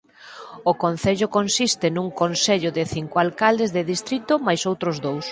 O concello consiste nun consello de cinco alcaldes de distrito máis outros dous.